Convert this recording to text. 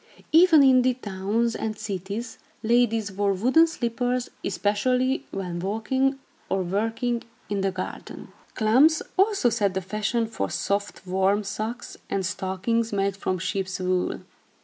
Even in the towns and cities, ladies wore wooden slippers, especially when walking or working in the garden. Klomps also set the fashion for soft, warm socks, and stockings made from sheep's wool.